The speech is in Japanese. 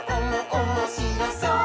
おもしろそう！」